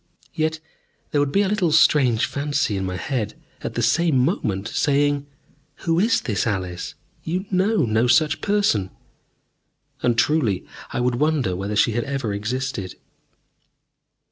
Yet there would be a little strange fancy in my head at the same moment, saying, "Who is this Alice? You know no such person." And truly I would wonder whether she had ever existed.